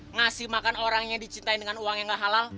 ngasih makan orang yang dicintain dengan uang yang gak halal